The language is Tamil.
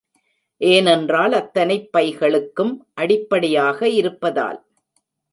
ஏனென்றால் அத்தனைப் பைகளுக்கும் அடிப்படையாக இருப்பதால்.